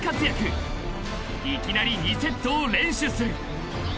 ［いきなり２セットを連取する］